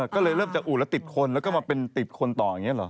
ก็เลยเริ่มจะอูดแล้วติดคนแล้วก็มาเป็นติดคนต่ออย่างนี้เหรอ